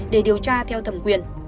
để điều tra theo thẩm quyền